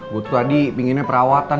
gue tuh tadi pinginnya perawatan